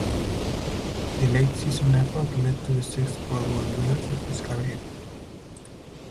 The late season effort led to the sixth Pro-Bowl berth of his career.